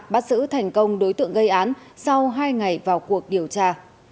bắt xử thành công đối tượng gây án sau hai ngày vào cuộc điều tra